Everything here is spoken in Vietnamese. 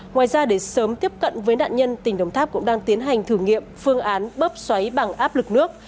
ngoài ra để sớm tiếp cận với nạn nhân tỉnh đồng tháp cũng đang tiến hành thử nghiệm phương án bóp xoáy bằng áp lực nước